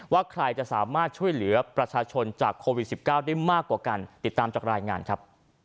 ว่าใครจะสามารถช่วยเหลือประชาชนจากโควิด๑๙ได้มากกว่ากันติดตามจากรายงานครับ